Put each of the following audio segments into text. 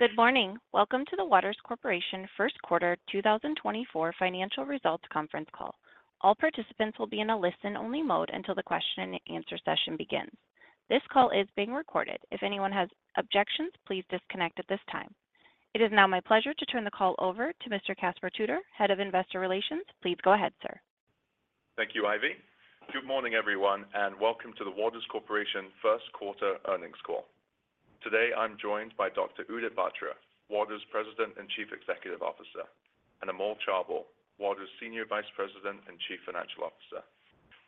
Good morning. Welcome to the Waters Corporation first quarter 2024 financial results conference call. All participants will be in a listen-only mode until the question-and-answer session begins. This call is being recorded. If anyone has objections, please disconnect at this time. It is now my pleasure to turn the call over to Mr. Caspar Tudor, Head of Investor Relations. Please go ahead, sir. Thank you, Ivy. Good morning, everyone, and welcome to the Waters Corporation first quarter earnings call. Today, I'm joined by Dr. Udit Batra, Waters' President and Chief Executive Officer, and Amol Chaubal, Waters' Senior Vice President and Chief Financial Officer.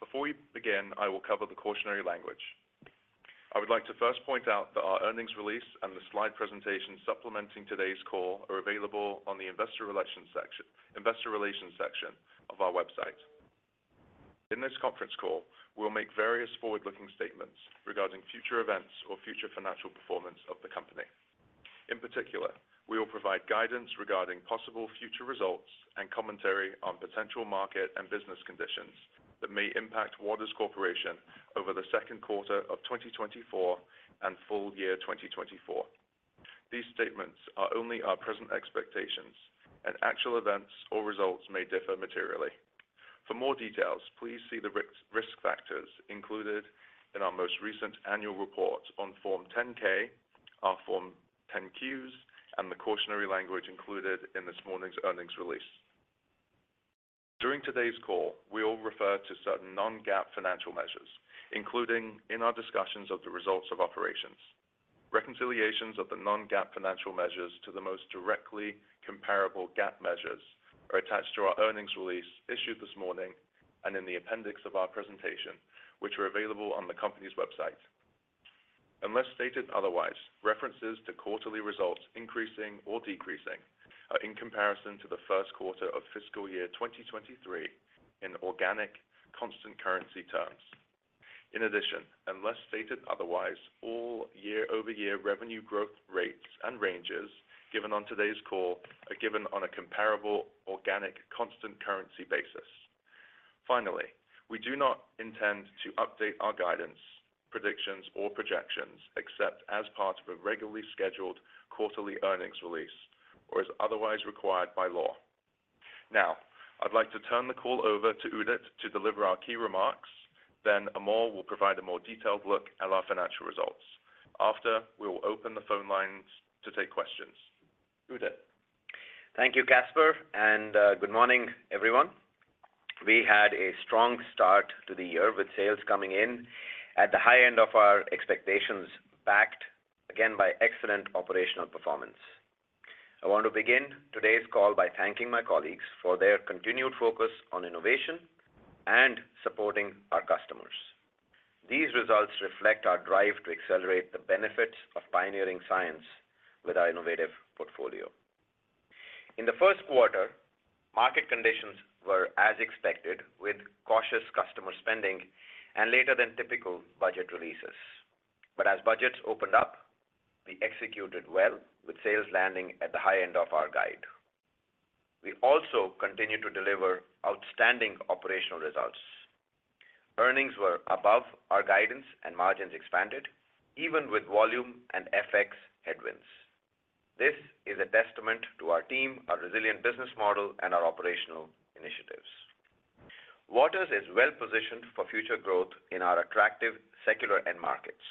Before we begin, I will cover the cautionary language. I would like to first point out that our earnings release and the slide presentation supplementing today's call are available on the Investor Relations section, Investor Relations section of our website. In this conference call, we'll make various forward-looking statements regarding future events or future financial performance of the company. In particular, we will provide guidance regarding possible future results and commentary on potential market and business conditions that may impact Waters Corporation over the second quarter of 2024 and full-year 2024. These statements are only our present expectations, and actual events or results may differ materially. For more details, please see the risk factors included in our most recent annual report on Form 10-K, our Form 10-Qs, and the cautionary language included in this morning's earnings release. During today's call, we will refer to certain non-GAAP financial measures, including in our discussions of the results of operations. Reconciliations of the non-GAAP financial measures to the most directly comparable GAAP measures are attached to our earnings release issued this morning and in the appendix of our presentation, which are available on the company's website. Unless stated otherwise, references to quarterly results increasing or decreasing are in comparison to the first quarter of fiscal year 2023 in organic, constant currency terms. In addition, unless stated otherwise, all year-over-year revenue growth rates and ranges given on today's call are given on a comparable organic, constant currency basis. Finally, we do not intend to update our guidance, predictions, or projections except as part of a regularly scheduled quarterly earnings release or as otherwise required by law. Now, I'd like to turn the call over to Udit to deliver our key remarks. Then Amol will provide a more detailed look at our financial results. After, we will open the phone lines to take questions. Udit? Thank you, Caspar, and good morning, everyone. We had a strong start to the year, with sales coming in at the high end of our expectations, backed again by excellent operational performance. I want to begin today's call by thanking my colleagues for their continued focus on innovation and supporting our customers. These results reflect our drive to accelerate the benefits of pioneering science with our innovative portfolio. In the first quarter, market conditions were as expected, with cautious customer spending and later than typical budget releases. But as budgets opened up, we executed well with sales landing at the high end of our guide. We also continued to deliver outstanding operational results. Earnings were above our guidance and margins expanded, even with volume and FX headwinds. This is a testament to our team, our resilient business model, and our operational initiatives. Waters is well-positioned for future growth in our attractive secular end markets.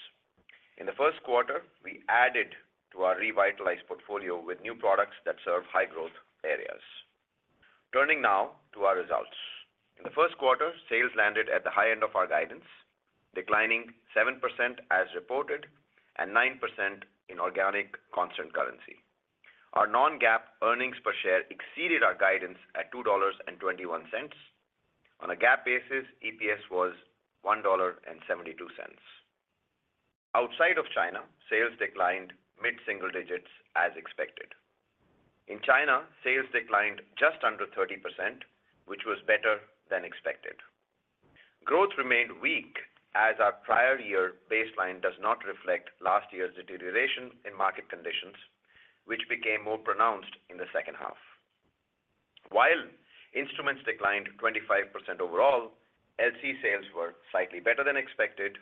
In the first quarter, we added to our revitalized portfolio with new products that serve high-growth areas. Turning now to our results. In the first quarter, sales landed at the high end of our guidance, declining 7% as reported and 9% in organic constant currency. Our non-GAAP earnings per share exceeded our guidance at $2.21. On a GAAP basis, EPS was $1.72. Outside of China, sales declined mid-single digits as expected. In China, sales declined just under 30%, which was better than expected. Growth remained weak as our prior year baseline does not reflect last year's deterioration in market conditions, which became more pronounced in the second half. While instruments declined 25% overall, LC sales were slightly better than expected.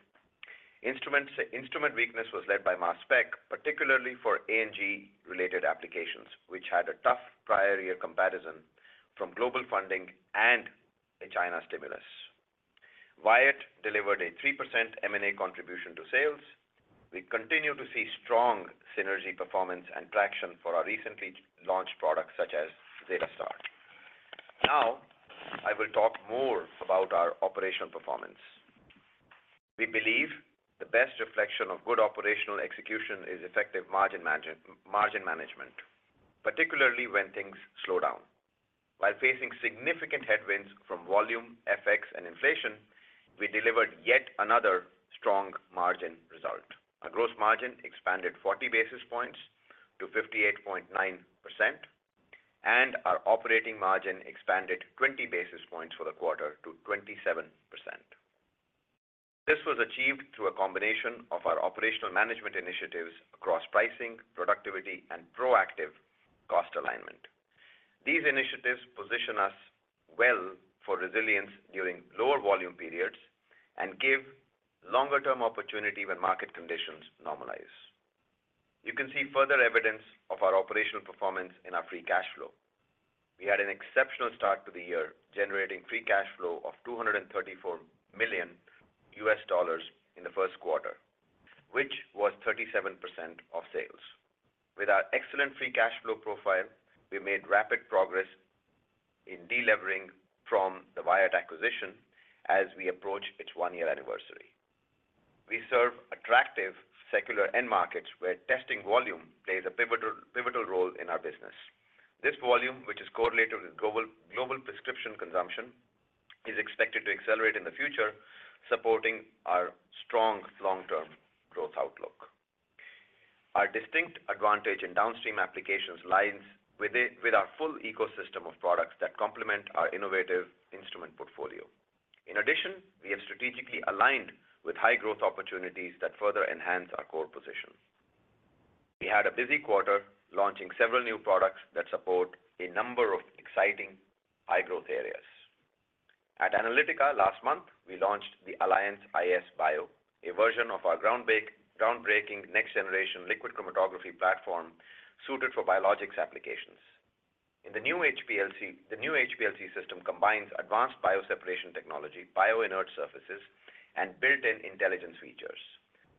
Instruments, instrument weakness was led by mass spec, particularly for A&G-related applications, which had a tough prior year comparison from global funding and a China stimulus. Wyatt delivered a 3% M&A contribution to sales. We continue to see strong synergy, performance, and traction for our recently launched products, such as ZetaStar. Now, I will talk more about our operational performance. We believe the best reflection of good operational execution is effective margin management, particularly when things slow down. While facing significant headwinds from volume, FX, and inflation, we delivered yet another strong margin result. Our gross margin expanded 40 basis points to 58.9%, and our operating margin expanded 20 basis points for the quarter to 27%. This was achieved through a combination of our operational management initiatives across pricing, productivity, and proactive...... These initiatives position us well for resilience during lower volume periods and give longer-term opportunity when market conditions normalize. You can see further evidence of our operational performance in our free cash flow. We had an exceptional start to the year, generating free cash flow of $234 million in the first quarter, which was 37% of sales. With our excellent free cash flow profile, we made rapid progress in delevering from the Wyatt acquisition as we approach its one-year anniversary. We serve attractive secular end markets, where testing volume plays a pivotal, pivotal role in our business. This volume, which is correlated with global, global prescription consumption, is expected to accelerate in the future, supporting our strong long-term growth outlook. Our distinct advantage in downstream applications lies with our full ecosystem of products that complement our innovative instrument portfolio. In addition, we have strategically aligned with high-growth opportunities that further enhance our core position. We had a busy quarter, launching several new products that support a number of exciting high-growth areas. At Analytica last month, we launched the Alliance iS Bio, a version of our groundbreaking next-generation liquid chromatography platform suited for biologics applications. The new HPLC system combines advanced bio-separation technology, bioinert surfaces, and built-in intelligence features.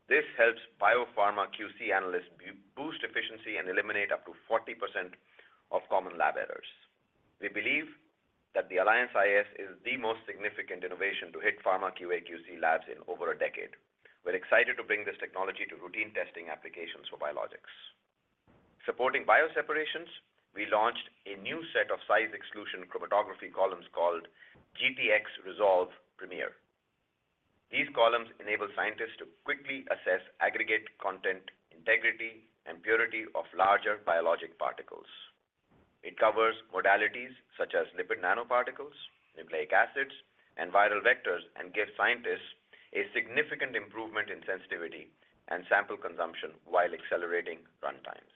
This helps biopharma QC analysts boost efficiency and eliminate up to 40% of common lab errors. We believe that the Alliance iS is the most significant innovation to hit pharma QA/QC labs in over a decade. We're excited to bring this technology to routine testing applications for biologics. Supporting bioseparations, we launched a new set of size exclusion chromatography columns called MaxPeak BioResolve Premier. These columns enable scientists to quickly assess aggregate content, integrity, and purity of larger biologic particles. It covers modalities such as lipid nanoparticles, nucleic acids, and viral vectors, and gives scientists a significant improvement in sensitivity and sample consumption while accelerating runtimes.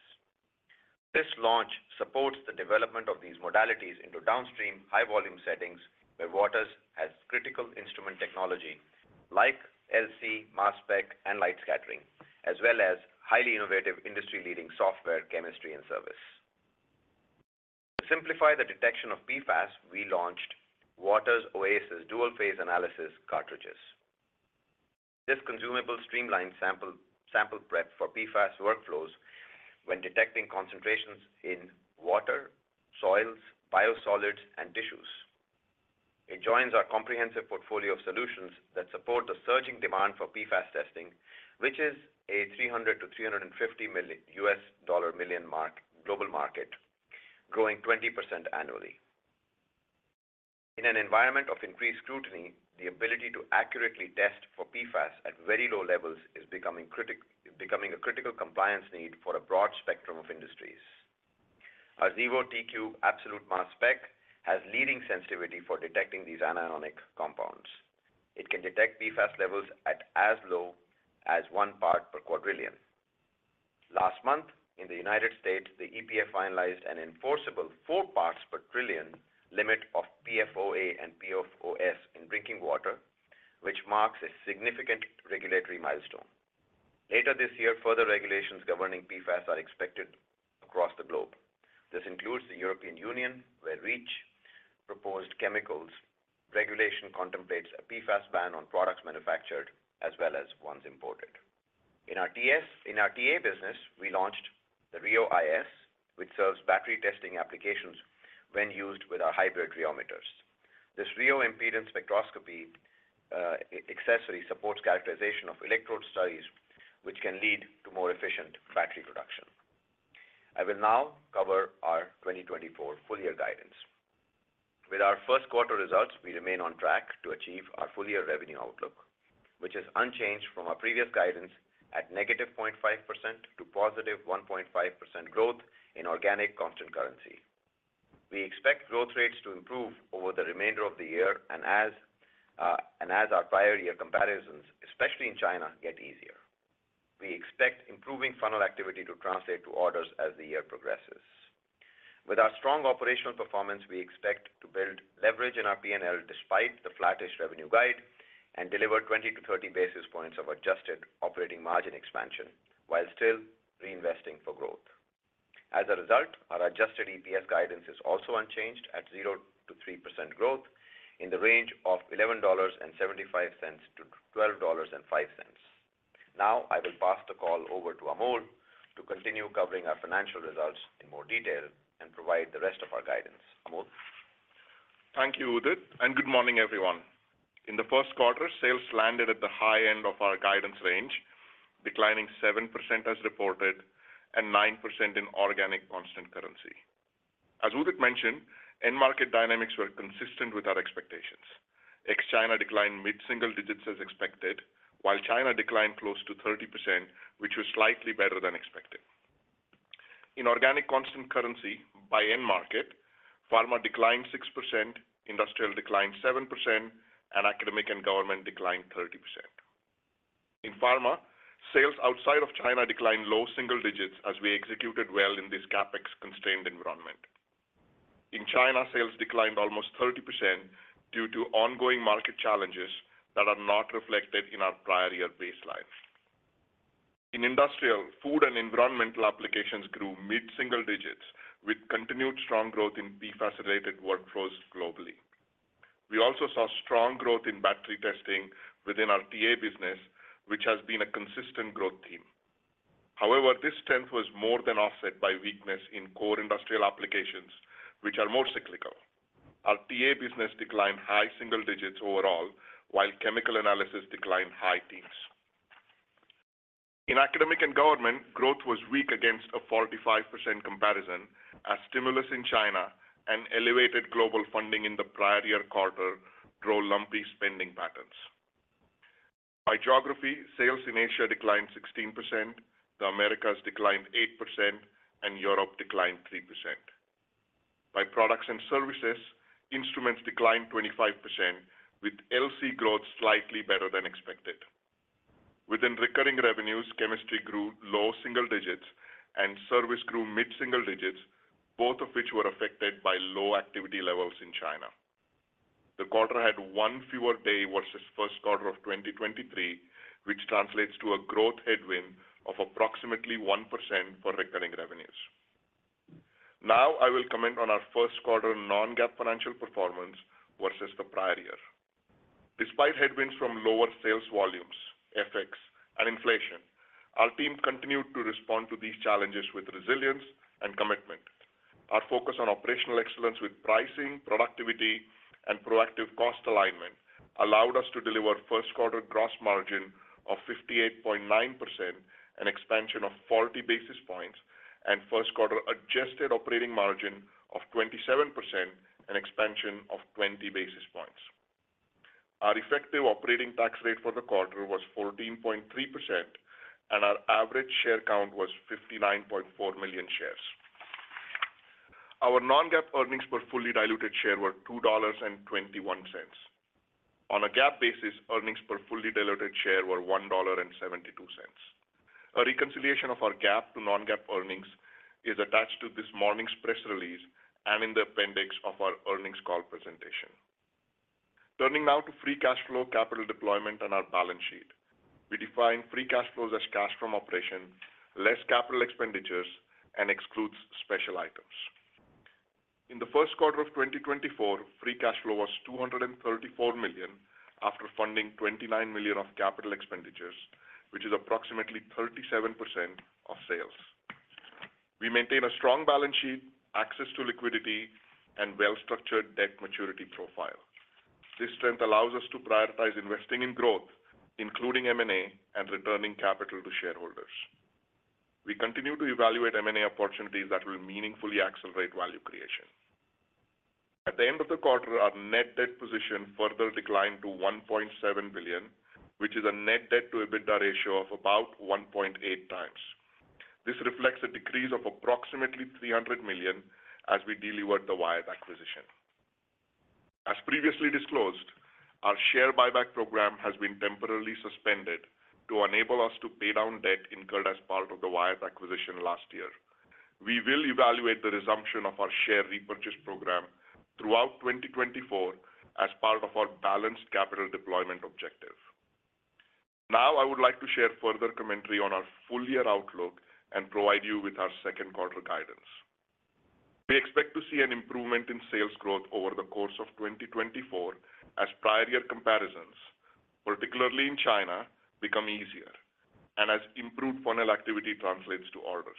This launch supports the development of these modalities into downstream, high-volume settings, where Waters has critical instrument technology like LC, mass spec, and light scattering, as well as highly innovative, industry-leading software, chemistry, and service. To simplify the detection of PFAS, we launched Waters Oasis dual-phase analysis cartridges. This consumable streamlines sample prep for PFAS workflows when detecting concentrations in water, soils, biosolids, and tissues. It joins our comprehensive portfolio of solutions that support the surging demand for PFAS testing, which is a $300 million-$350 million global market, growing 20% annually. In an environment of increased scrutiny, the ability to accurately test for PFAS at very low levels is becoming a critical compliance need for a broad spectrum of industries. Our Xevo TQ Absolute mass spec has leading sensitivity for detecting these anionic compounds. It can detect PFAS levels at as low as one part per quadrillion. Last month, in the United States, the EPA finalized an enforceable four parts per trillion limit of PFOA and PFOS in drinking water, which marks a significant regulatory milestone. Later this year, further regulations governing PFAS are expected across the globe. This includes the European Union, where REACH proposed chemicals regulation contemplates a PFAS ban on products manufactured, as well as ones imported. In our TA business, we launched the Rheo-IS, which serves battery testing applications when used with our hybrid rheometers. This rheo impedance spectroscopy accessory supports characterization of electrode studies, which can lead to more efficient battery production. I will now cover our 2024 full-year guidance. With our first quarter results, we remain on track to achieve our full-year revenue outlook, which is unchanged from our previous guidance at -0.5% to +1.5% growth in organic constant currency. We expect growth rates to improve over the remainder of the year and as, and as our prior year comparisons, especially in China, get easier. We expect improving funnel activity to translate to orders as the year progresses. With our strong operational performance, we expect to build leverage in our PNL despite the flattish revenue guide, and deliver 20-30 basis points of adjusted operating margin expansion, while still reinvesting for growth. As a result, our adjusted EPS guidance is also unchanged at 0%-3% growth in the range of $11.75-$12.05. Now I will pass the call over to Amol to continue covering our financial results in more detail and provide the rest of our guidance. Amol? Thank you, Udit, and good morning, everyone. In the first quarter, sales landed at the high end of our guidance range, declining 7% as reported and 9% in organic constant currency. As Udit mentioned, end market dynamics were consistent with our expectations. Ex-China declined mid-single digits as expected, while China declined close to 30%, which was slightly better than expected. In organic constant currency, by end market, pharma declined 6%, industrial declined 7%, and academic and government declined 30%. In pharma, sales outside of China declined low single digits as we executed well in this CapEx-constrained environment. In China, sales declined almost 30% due to ongoing market challenges that are not reflected in our prior year baseline. In industrial, food and environmental applications grew mid-single digits, with continued strong growth in PFAS-related workflows globally. We also saw strong growth in battery testing within our TA business, which has been a consistent growth theme. However, this strength was more than offset by weakness in core industrial applications, which are more cyclical. Our TA business declined high single digits overall, while chemical analysis declined high teens. In academic and government, growth was weak against a 45% comparison, as stimulus in China and elevated global funding in the prior year quarter drove lumpy spending patterns. By geography, sales in Asia declined 16%, the Americas declined 8%, and Europe declined 3%. By products and services, instruments declined 25%, with LC growth slightly better than expected. Within recurring revenues, chemistry grew low single digits, and service grew mid-single digits, both of which were affected by low activity levels in China. The quarter had one fewer day versus first quarter of 2023, which translates to a growth headwind of approximately 1% for recurring revenues. Now, I will comment on our first quarter non-GAAP financial performance versus the prior year. Despite headwinds from lower sales volumes, FX, and inflation, our team continued to respond to these challenges with resilience and commitment. Our focus on operational excellence with pricing, productivity, and proactive cost alignment allowed us to deliver first quarter gross margin of 58.9%, an expansion of 40 basis points, and first quarter adjusted operating margin of 27%, an expansion of 20 basis points. Our effective operating tax rate for the quarter was 14.3%, and our average share count was 59.4 million shares. Our non-GAAP earnings per fully diluted share were $2.21. On a GAAP basis, earnings per fully diluted share were $1.72. A reconciliation of our GAAP to non-GAAP earnings is attached to this morning's press release and in the appendix of our earnings call presentation. Turning now to free cash flow, capital deployment, and our balance sheet. We define free cash flow as cash from operation, less capital expenditures, and excludes special items. In the first quarter of 2024, free cash flow was $234 million, after funding $29 million of capital expenditures, which is approximately 37% of sales. We maintain a strong balance sheet, access to liquidity, and well-structured debt maturity profile. This strength allows us to prioritize investing in growth, including M&A, and returning capital to shareholders. We continue to evaluate M&A opportunities that will meaningfully accelerate value creation. At the end of the quarter, our net debt position further declined to $1.7 billion, which is a net debt to EBITDA ratio of about 1.8x. This reflects a decrease of approximately $300 million as we delivered the Wyatt acquisition. As previously disclosed, our share buyback program has been temporarily suspended to enable us to pay down debt incurred as part of the Wyatt acquisition last year. We will evaluate the resumption of our share repurchase program throughout 2024 as part of our balanced capital deployment objective. Now, I would like to share further commentary on our full-year outlook and provide you with our second quarter guidance. We expect to see an improvement in sales growth over the course of 2024 as prior year comparisons, particularly in China, become easier and as improved funnel activity translates to orders.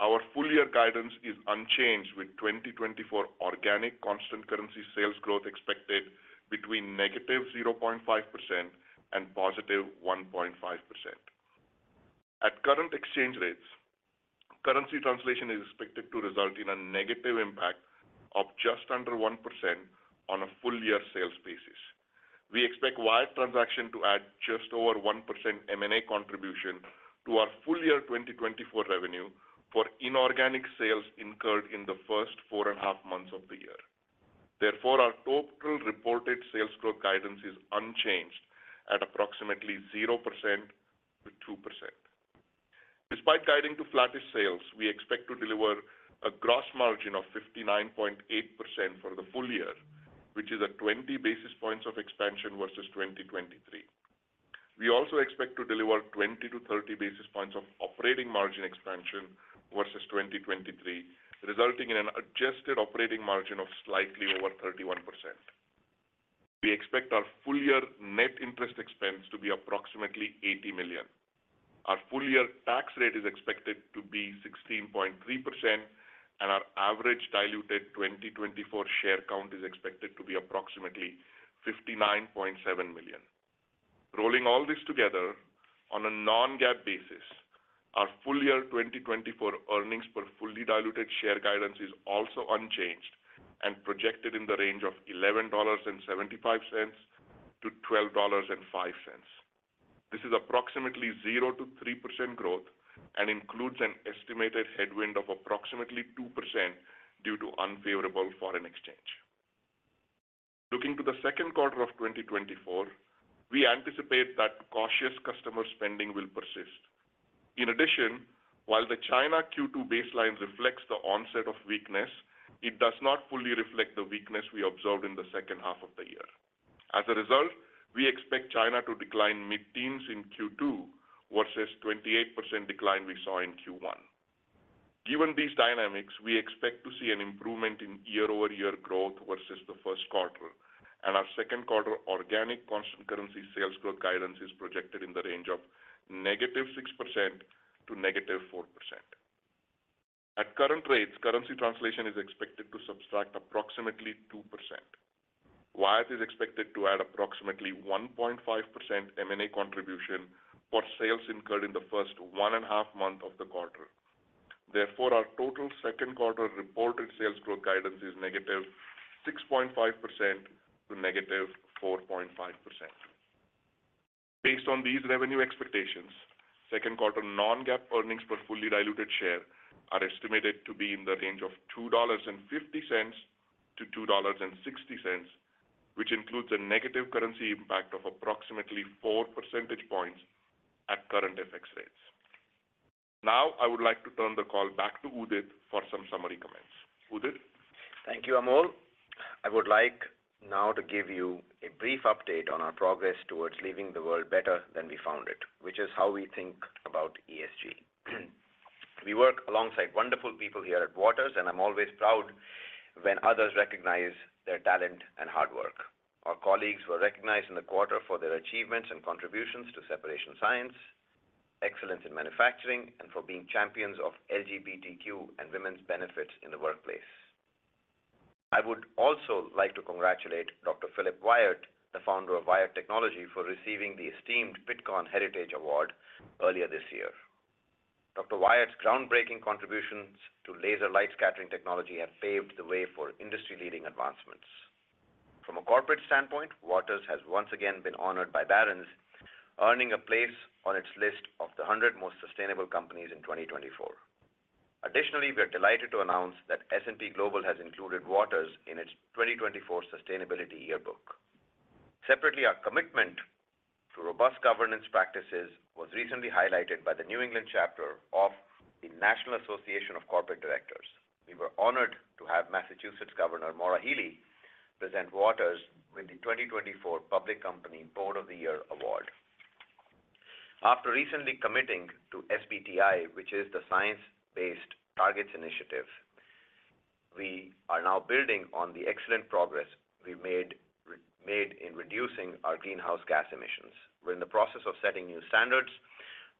Our full-year guidance is unchanged, with 2024 organic constant currency sales growth expected between -0.5% and +1.5%. At current exchange rates, currency translation is expected to result in a negative impact of just under 1% on a full-year sales basis. We expect Wyatt transaction to add just over 1% M&A contribution to our full-year 2024 revenue for inorganic sales incurred in the first 4.5 months of the year. Therefore, our total reported sales growth guidance is unchanged at approximately 0%-2%. Despite guiding to flattest sales, we expect to deliver a gross margin of 59.8% for the full-year, which is a 20 basis points of expansion versus 2023. We also expect to deliver 20-30 basis points of operating margin expansion versus 2023, resulting in an adjusted operating margin of slightly over 31%. We expect our full-year net interest expense to be approximately $80 million. Our full-year tax rate is expected to be 16.3%, and our average diluted 2024 share count is expected to be approximately 59.7 million. Rolling all this together, on a non-GAAP basis, our full-year 2024 earnings per fully diluted share guidance is also unchanged and projected in the range of $11.75-$12.05. This is approximately 0%-3% growth and includes an estimated headwind of approximately 2% due to unfavorable foreign exchange. Looking to the second quarter of 2024, we anticipate that cautious customer spending will persist. In addition, while the China Q2 baseline reflects the onset of weakness, it does not fully reflect the weakness we observed in the second half of the year. As a result, we expect China to decline mid-teens in Q2, versus 28% decline we saw in Q1. Given these dynamics, we expect to see an improvement in year-over-year growth versus the first quarter, and our second quarter organic constant currency sales growth guidance is projected in the range of -6% to -4%. At current rates, currency translation is expected to subtract approximately 2%. Wyatt is expected to add approximately 1.5% M&A contribution for sales incurred in the first 1.5 months of the quarter. Therefore, our total second quarter reported sales growth guidance is -6.5% to -4.5%. Based on these revenue expectations, second quarter non-GAAP earnings per fully diluted share are estimated to be in the range of $2.50-$2.60, which includes a negative currency impact of approximately 4 percentage points at current FX rates. Now, I would like to turn the call back to Udit for some summary comments. Udit? Thank you, Amol. I would like now to give you a brief update on our progress towards leaving the world better than we found it, which is how we think about ESG. We work alongside wonderful people here at Waters, and I'm always proud when others recognize their talent and hard work. Our colleagues were recognized in the quarter for their achievements and contributions to separation science, excellence in manufacturing, and for being champions of LGBTQ and women's benefits in the workplace. I would also like to congratulate Dr. Philip Wyatt, the founder of Wyatt Technology, for receiving the esteemed Pittcon Heritage Award earlier this year. Dr. Wyatt's groundbreaking contributions to laser light scattering technology have paved the way for industry-leading advancements. From a corporate standpoint, Waters has once again been honored by Barron's, earning a place on its list of the 100 most sustainable companies in 2024. Additionally, we are delighted to announce that S&P Global has included Waters in its 2024 Sustainability Yearbook. Separately, our commitment to robust governance practices was recently highlighted by the New England chapter of the National Association of Corporate Directors. We were honored to have Massachusetts Governor Maura Healey present Waters with the 2024 Public Company Board of the Year award. After recently committing to SBTi, which is the Science Based Targets initiative, we are now building on the excellent progress we made in reducing our greenhouse gas emissions. We're in the process of setting new standards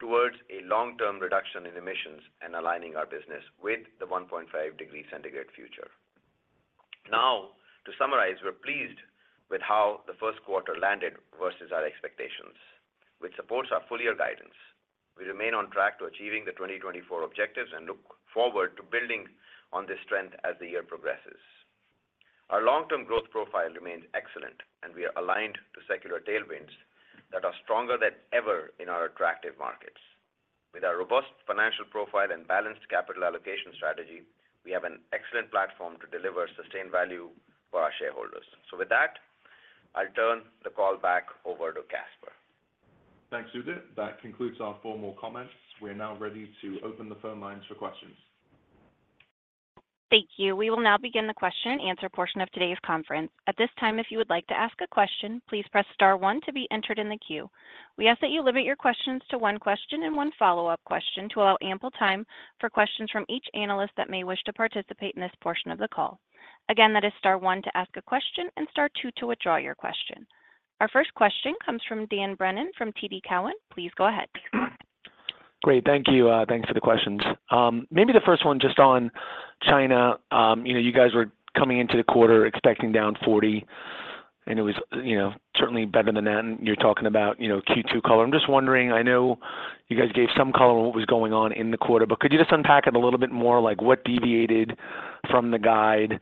towards a long-term reduction in emissions and aligning our business with the 1.5-degree centigrade future. Now, to summarize, we're pleased with how the first quarter landed versus our expectations, which supports our full-year guidance. We remain on track to achieving the 2024 objectives and look forward to building on this trend as the year progresses. Our long-term growth profile remains excellent, and we are aligned to secular tailwinds that are stronger than ever in our attractive markets. With our robust financial profile and balanced capital allocation strategy, we have an excellent platform to deliver sustained value for our shareholders. With that, I'll turn the call back over to Caspar. Thanks, Udit. That concludes our formal comments. We are now ready to open the phone lines for questions. Thank you. We will now begin the question and answer portion of today's conference. At this time, if you would like to ask a question, please press star one to be entered in the queue. We ask that you limit your questions to one question and one follow-up question to allow ample time for questions from each analyst that may wish to participate in this portion of the call. Again, that is star one to ask a question and star two to withdraw your question. Our first question comes from Dan Brennan from TD Cowen. Please go ahead. Great. Thank you. Thanks for the questions. Maybe the first one just on China. You know, you guys were coming into the quarter expecting down 40, and it was, you know, certainly better than that. You're talking about, you know, Q2 color. I'm just wondering, I know you guys gave some color on what was going on in the quarter, but could you just unpack it a little bit more? Like, what deviated from the guide?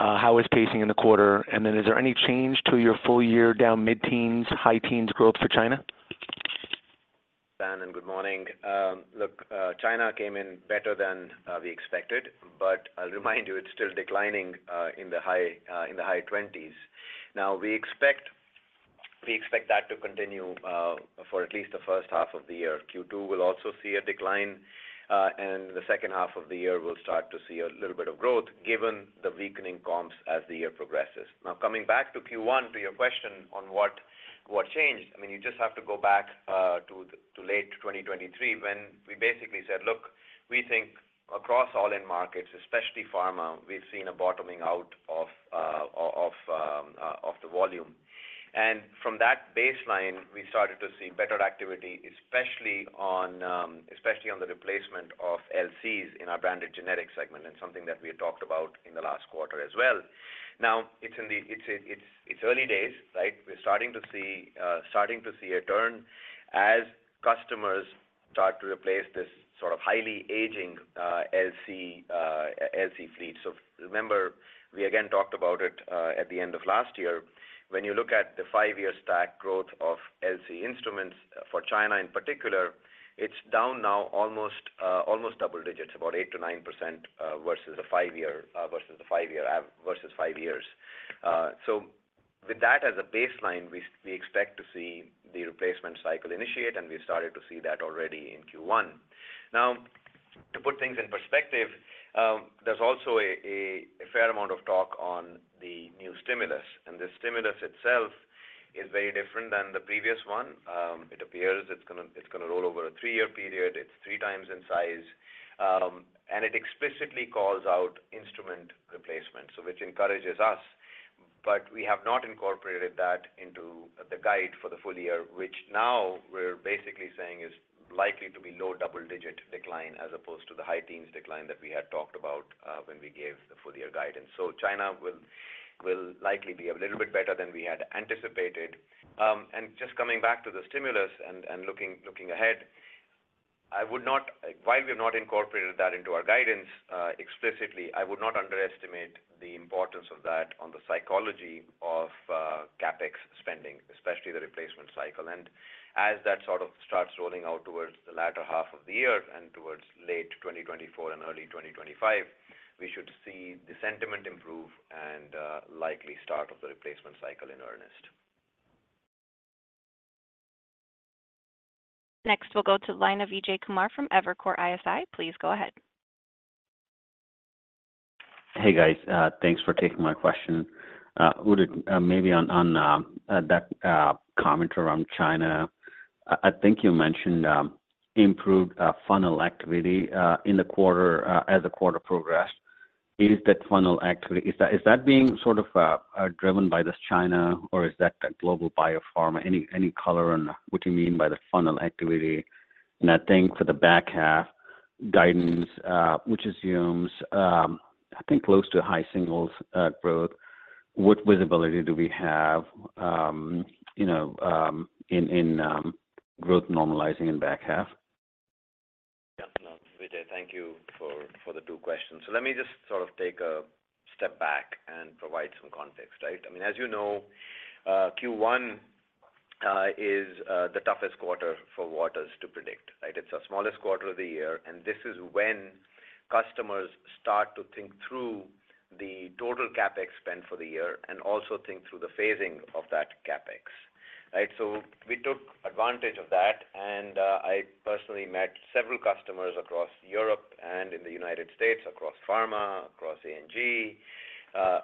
How is pacing in the quarter? And then is there any change to your full-year down mid-teens, high teens growth for China? Dan, and good morning. Look, China came in better than we expected, but I'll remind you, it's still declining in the high 20s. Now, we expect that to continue for at least the first half of the year. Q2 will also see a decline, and the second half of the year will start to see a little bit of growth, given the weakening comps as the year progresses. Now, coming back to Q1, to your question on what changed, I mean, you just have to go back to late 2023, when we basically said, "Look, we think across all end markets, especially pharma, we've seen a bottoming out of the volume." And from that baseline, we started to see better activity, especially on the replacement of LCs in our branded generics segment and something that we had talked about in the last quarter as well. Now, it's early days, right? We're starting to see a turn as customers start to replace this sort of highly aging LC fleet. So remember, we again talked about it at the end of last year. When you look at the five-year stack growth of LC instruments for China in particular, it's down now almost, almost double digits, about 8%-9%, versus the five-year, versus five years. So with that as a baseline, we expect to see the replacement cycle initiate, and we started to see that already in Q1. Now, to put things in perspective, there's also a fair amount of talk on the new stimulus, and the stimulus itself is very different than the previous one. It appears it's gonna roll over a three-year period, it's three times in size, and it explicitly calls out instrument replacement, so which encourages us. But we have not incorporated that into the guide for the full-year, which now we're basically saying is likely to be low double-digit decline, as opposed to the high teens decline that we had talked about, when we gave the full-year guidance. So China will likely be a little bit better than we had anticipated. And just coming back to the stimulus and looking ahead, I would not, while we have not incorporated that into our guidance, explicitly, I would not underestimate the importance of that on the psychology of CapEx spending, especially the replacement cycle. And as that sort of starts rolling out towards the latter half of the year and towards late 2024 and early 2025, we should see the sentiment improve and likely start of the replacement cycle in earnest. Next, we'll go to the line of Vijay Kumar from Evercore ISI. Please go ahead. Hey, guys. Thanks for taking my question. Would it maybe on that comment around China, I think you mentioned improved funnel activity in the quarter as the quarter progressed. Is that funnel activity... Is that being sort of driven by this China, or is that a global biopharma? Any color on what you mean by the funnel activity? And I think for the back half guidance, which assumes, I think close to high singles growth, what visibility do we have, you know, in growth normalizing in back half? Yeah, no, Vijay, thank you for the two questions. So let me just sort of take a step back and provide some context, right? I mean, as you know, Q1 is the toughest quarter for Waters to predict, right? It's our smallest quarter of the year, and this is when customers start to think through the total CapEx spend for the year and also think through the phasing of that CapEx. Right? So we took advantage of that, and I personally met several customers across Europe and in the United States, across pharma, across A&G,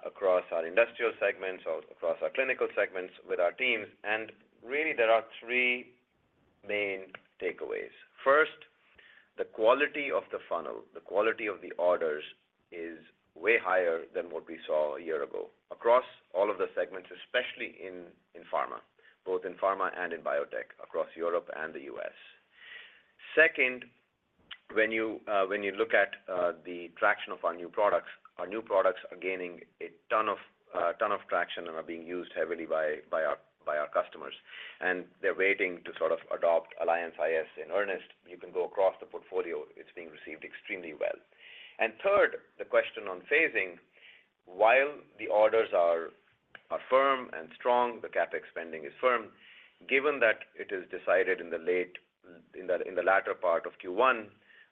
across our industrial segments, or across our clinical segments with our teams. And really, there are three main takeaways. First, the quality of the funnel, the quality of the orders, is way higher than what we saw a year ago across all of the segments, especially in, in pharma, both in pharma and in biotech across Europe and the U.S.. Second, when you look at the traction of our new products, our new products are gaining a ton of traction and are being used heavily by our customers, and they're waiting to sort of adopt Alliance iS in earnest. You can go across the portfolio, it's being received extremely well. And third, the question on phasing. While the orders are firm and strong, the CapEx spending is firm. Given that it is decided in the latter part of Q1,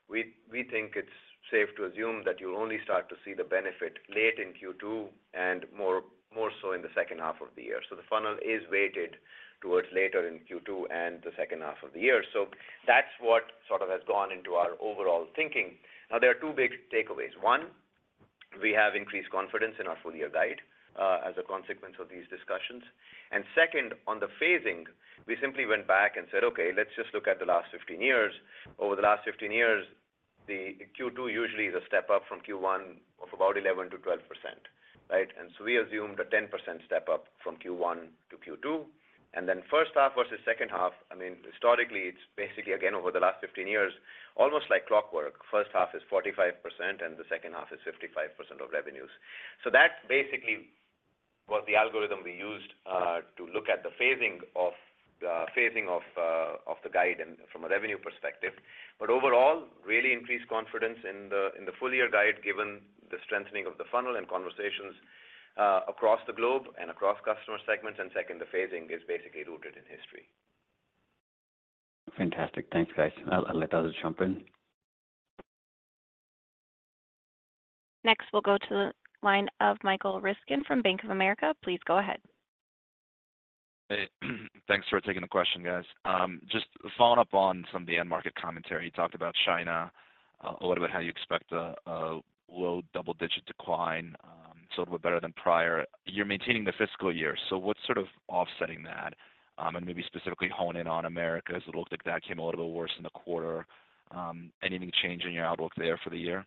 we think it's safe to assume that you'll only start to see the benefit late in Q2 and more so in the second half of the year. So the funnel is weighted towards later in Q2 and the second half of the year. So that's what sort of has gone into our overall thinking. Now, there are two big takeaways. One, we have increased confidence in our full-year guide as a consequence of these discussions. And second, on the phasing, we simply went back and said, "Okay, let's just look at the last 15 years." Over the last 15 years, the Q2 usually is a step up from Q1 of about 11%-12%, right? And so we assumed a 10% step up from Q1 to Q2. And then first half versus second half, I mean, historically, it's basically, again, over the last 15 years, almost like clockwork. First half is 45%, and the second half is 55% of revenues. So that's basically what the algorithm we used to look at the phasing of the guide and from a revenue perspective. But overall, really increased confidence in the full-year guide, given the strengthening of the funnel and conversations across the globe and across customer segments. And second, the phasing is basically rooted in history. Fantastic. Thanks, guys. I'll let others jump in. Next, we'll go to the line of Michael Ryskin from Bank of America. Please go ahead. Hey, thanks for taking the question, guys. Just following up on some of the end market commentary. You talked about China, a lot about how you expect a low double-digit decline, sort of a better than prior. You're maintaining the fiscal year, so what's sort of offsetting that? And maybe specifically hone in on America, as it looked like that came a little bit worse in the quarter. Anything changing your outlook there for the year?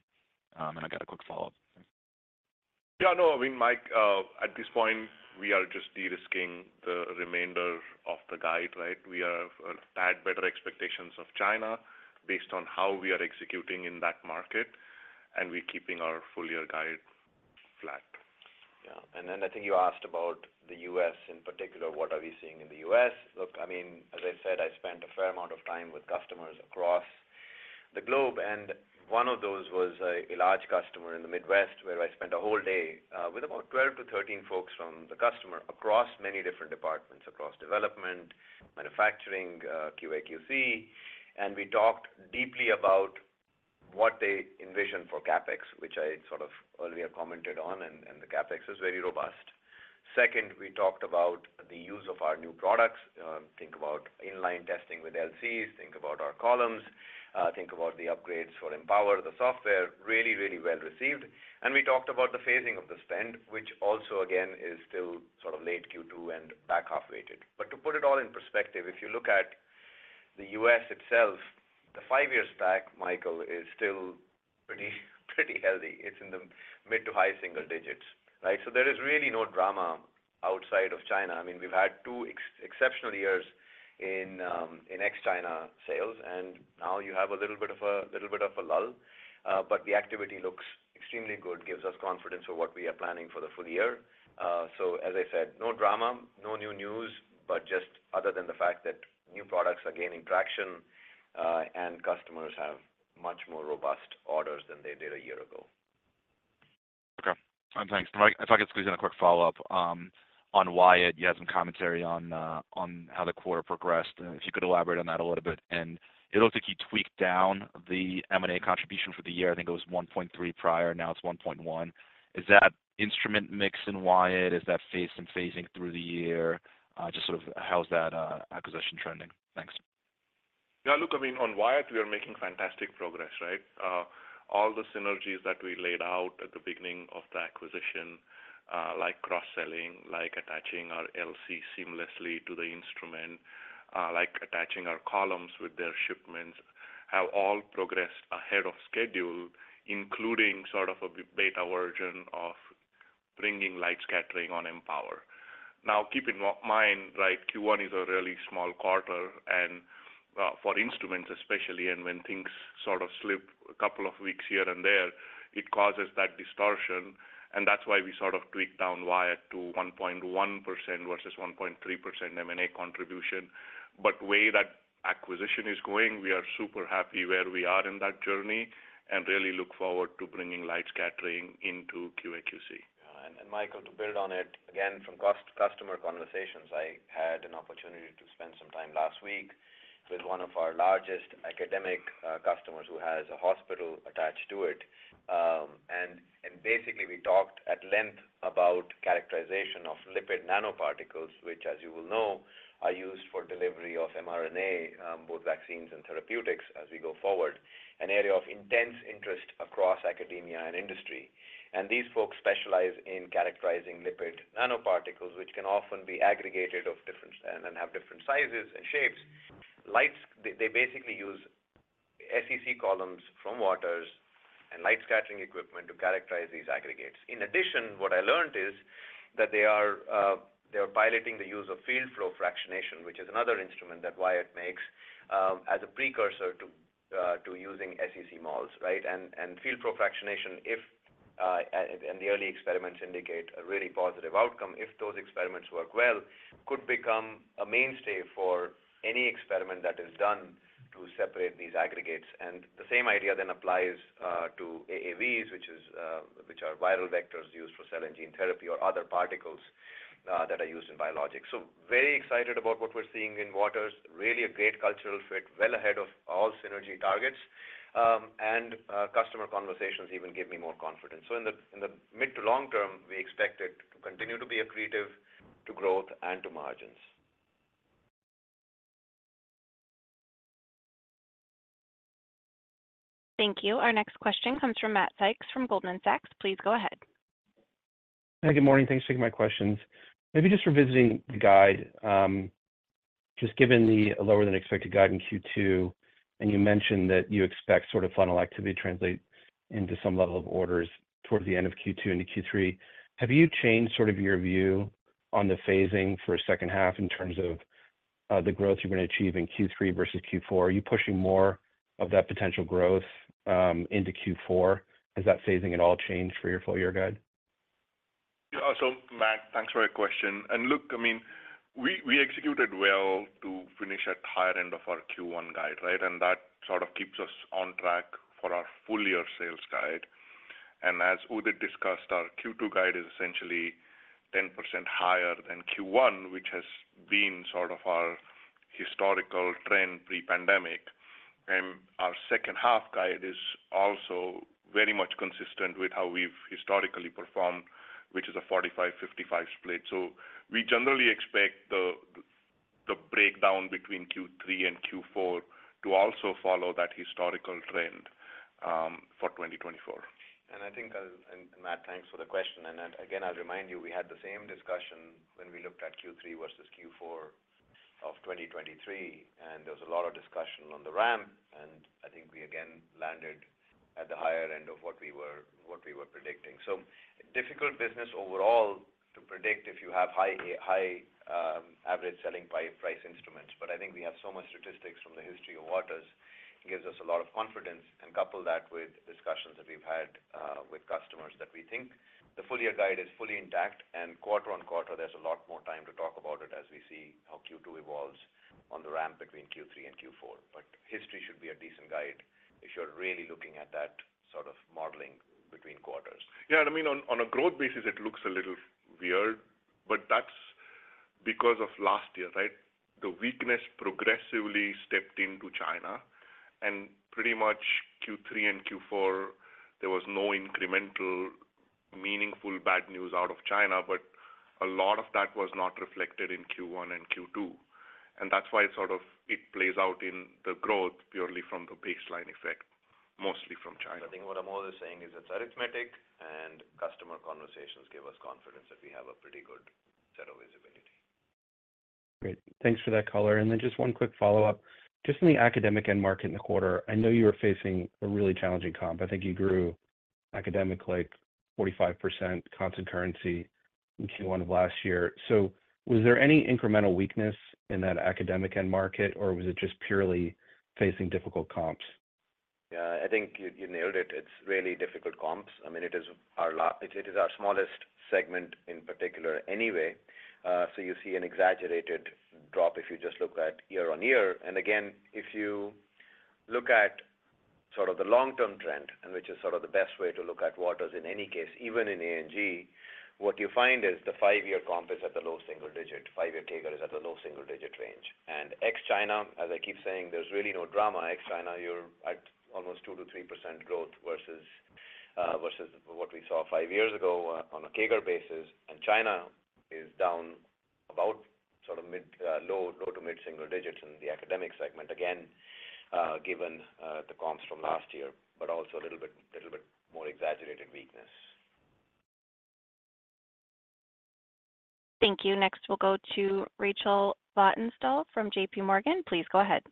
And I got a quick follow-up. Yeah, no, I mean, Mike, at this point, we are just de-risking the remainder of the guide, right? We have had better expectations of China based on how we are executing in that market, and we're keeping our full-year guide flat. Yeah, and then I think you asked about the U.S. in particular, what are we seeing in the U.S.? Look, I mean, as I said, I spent a fair amount of time with customers across the globe, and one of those was a large customer in the Midwest, where I spent a whole day with about 12-13 folks from the customer across many different departments, across development, manufacturing, QA/QC. And we talked deeply about what they envision for CapEx, which I sort of earlier commented on, and the CapEx is very robust. Second, we talked about the use of our new products. Think about inline testing with LCs, think about our columns, think about the upgrades for Empower, the software. Really, really well received. We talked about the phasing of the spend, which also again, is still sort of late Q2 and back half weighted. But to put it all in perspective, if you look at the U.S. itself, the five-year stack, Michael, is still pretty, pretty healthy. It's in the mid- to high-single digits, right? So there is really no drama outside of China. I mean, we've had two exceptional years in ex-China sales, and now you have a little bit of a lull, but the activity looks extremely good, gives us confidence for what we are planning for the full-year. As I said, no drama, no new news, but just other than the fact that new products are gaining traction, and customers have much more robust orders than they did a year ago. Okay. Thanks. Can I, if I could squeeze in a quick follow-up, on Wyatt, you had some commentary on how the quarter progressed, and if you could elaborate on that a little bit. And it looks like you tweaked down the M&A contribution for the year. I think it was 1.3 prior, now it's 1.1. Is that instrument mix in Wyatt? Is that phase and phasing through the year? Just sort of how's that acquisition trending? Thanks. Yeah, look, I mean, on Wyatt, we are making fantastic progress, right? All the synergies that we laid out at the beginning of the acquisition, like cross-selling, like attaching our LC seamlessly to the instrument, like attaching our columns with their shipments, have all progressed ahead of schedule, including sort of a beta version of bringing light scattering on Empower. Now, keep in mind, like, Q1 is a really small quarter, and, for instruments especially, and when things sort of slip a couple of weeks here and there, it causes that distortion, and that's why we sort of tweaked down Wyatt to 1.1% versus 1.3% M&A contribution. But the way that acquisition is going, we are super happy where we are in that journey and really look forward to bringing light scattering into QAQC. And Michael, to build on it, again, from customer conversations, I had an opportunity to spend some time last week with one of our largest academic customers who has a hospital attached to it. And basically, we talked at length about characterization of lipid nanoparticles, which, as you well know, are used for delivery of mRNA, both vaccines and therapeutics as we go forward, an area of intense interest across academia and industry. These folks specialize in characterizing lipid nanoparticles, which can often be aggregated of different... and have different sizes and shapes. Like, they basically use SEC columns from Waters and light scattering equipment to characterize these aggregates. In addition, what I learned is that they are piloting the use of field-flow fractionation, which is another instrument that Wyatt makes, as a precursor to using SEC-MALS, right? And field-flow fractionation, if and the early experiments indicate a really positive outcome, if those experiments work well, could become a mainstay for any experiment that is done to separate these aggregates. And the same idea then applies to AAVs, which are viral vectors used for cell and gene therapy or other particles that are used in biologics. So very excited about what we're seeing in Waters. Really a great cultural fit, well ahead of all synergy targets. Customer conversations even give me more confidence. So in the mid to long term, we expect it to continue to be accretive to growth and to margins. Thank you. Our next question comes from Matt Sykes from Goldman Sachs. Please go ahead. Hey, good morning. Thanks for taking my questions. Maybe just revisiting the guide, just given the lower than expected guide in Q2, and you mentioned that you expect sort of funnel activity to translate into some level of orders towards the end of Q2 into Q3. Have you changed sort of your view on the phasing for a second half in terms of, the growth you're going to achieve in Q3 versus Q4? Are you pushing more of that potential growth, into Q4? Has that phasing at all changed for your full-year guide? Yeah. So, Matt, thanks for your question. And look, I mean, we executed well to finish at higher end of our Q1 guide, right? And that sort of keeps us on track for our full-year sales guide. And as Udit discussed, our Q2 guide is essentially 10% higher than Q1, which has been sort of our historical trend pre-pandemic. And our second half guide is also very much consistent with how we've historically performed, which is a 45/55 split. So we generally expect the breakdown between Q3 and Q4 to also follow that historical trend for 2024. I think, Matt, thanks for the question. Again, I'll remind you, we had the same discussion when we looked at Q3 versus Q4 of 2023, and there was a lot of discussion on the ramp, and I think we again landed at the higher end of what we were, what we were predicting. So difficult business overall to predict if you have high, high, average selling price instruments. But I think we have so much statistics from the history of Waters, it gives us a lot of confidence and couple that with discussions that we've had with customers, that we think the full-year guide is fully intact, and quarter-over-quarter, there's a lot more time to talk about it as we see how Q2 evolves on the ramp between Q3 and Q4. But history should be a decent guide if you're really looking at that sort of modeling between quarters. Yeah, and I mean, on a growth basis, it looks a little weird, but that's because of last year, right? The weakness progressively stepped into China, and pretty much Q3 and Q4, there was no incremental, meaningful bad news out of China, but a lot of that was not reflected in Q1 and Q2. That's why it sort of, it plays out in the growth purely from the baseline effect, mostly from China. I think what Amol is saying is it's arithmetic, and customer conversations give us confidence that we have a pretty good set of visibility. Great. Thanks for that color. And then just one quick follow-up. Just in the academic end market in the quarter, I know you were facing a really challenging comp. I think you grew academic, like, 45% constant currency in Q1 of last year. So was there any incremental weakness in that academic end market, or was it just purely facing difficult comps? Yeah, I think you, you nailed it. It's really difficult comps. I mean, it is our smallest segment in particular anyway, so you see an exaggerated drop if you just look at year-on-year. And again, if you look at sort of the long-term trend, and which is sort of the best way to look at Waters in any case, even in A&G, what you find is the five-year comp is at the low single-digit. Five-year CAGR is at the low single-digit range. And ex-China, as I keep saying, there's really no drama. Ex-China, you're at almost 2%-3% growth versus what we saw five years ago on a CAGR basis. China is down about sort of low to mid single digits in the academic segment, again, given the comps from last year, but also a little bit more exaggerated weakness. Thank you. Next, we'll go to Rachel Vatnsdal from JPMorgan. Please go ahead.